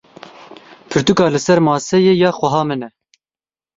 Pirtûka li ser maseyê ya xweha min e.